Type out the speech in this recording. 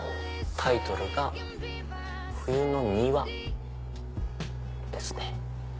タイトルが『冬の庭』ですね。